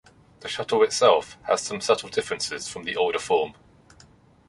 The shuttle itself has some subtle differences from the older form.